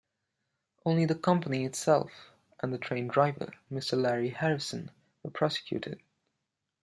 Only the company itself and the train driver, Mr Larry Harrison, were prosecuted.